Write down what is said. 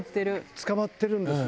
捕まってるんですよ。